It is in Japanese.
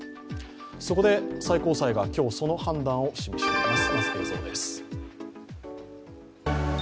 そこで最高裁が今日、その判断を示しています。